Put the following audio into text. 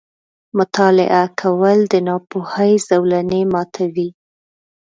• مطالعه کول، د ناپوهۍ زولنې ماتوي.